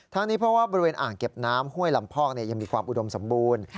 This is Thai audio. นี้เพราะว่าบริเวณอ่างเก็บน้ำห้วยลำพอกยังมีความอุดมสมบูรณ์